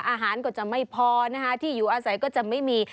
อาหารก็จะไม่พอนะคะที่อยู่อาศัยก็จะไม่มี